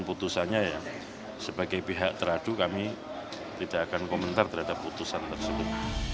keputusannya sebagai pihak teradu kami tidak akan komentar terhadap keputusan tersebut